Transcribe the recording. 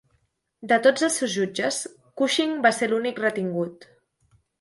De tots els seus jutges, Cushing va ser l'únic retingut.